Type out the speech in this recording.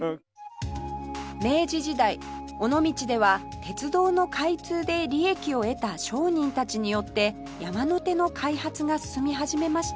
明治時代尾道では鉄道の開通で利益を得た商人たちによって山手の開発が進み始めました